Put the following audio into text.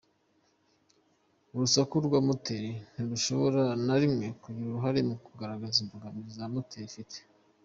Urusaku rwa moteri ntirushobora na rimwe kugira uruhare mu kugaragaza imbaraga iyo moteri ifite.